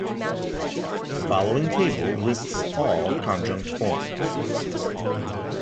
The following table lists all conjunct forms.